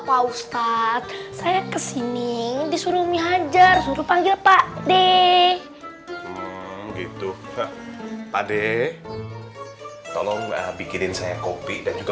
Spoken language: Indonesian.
pak ustadz saya kesini disuruh hajar suruh panggil pak deh gitu pakde tolong bikinin saya kopi dan juga